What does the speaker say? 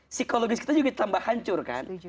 psikologis kita juga tambah hancur kan